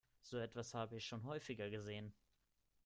So etwas habe ich schon häufiger gesehen.